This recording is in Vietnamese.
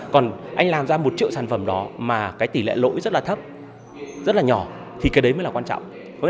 còn anh làm ra một triệu sản phẩm đó mà cái tỷ lệ lỗi rất là thấp rất là nhỏ thì cái đấy mới là quan trọng